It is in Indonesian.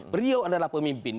beriau adalah pemimpin